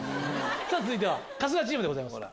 続いては春日チームでございます